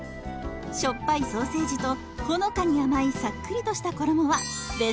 しょっぱいソーセージとほのかに甘いさっくりとした衣はベストマッチ！